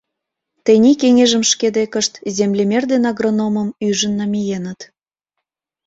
Тений кеҥежым шке декышт землемер ден агрономым ӱжын намиеныт.